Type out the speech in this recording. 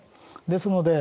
ですので